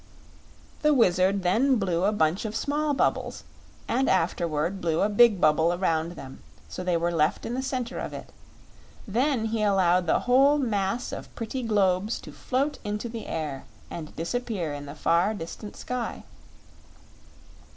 The Wizard then blew a bunch of small bubbles and afterward blew a big bubble around them so they were left in the center of it; then he allowed the whole mass of pretty globes to float into the air and disappear in the far distant sky.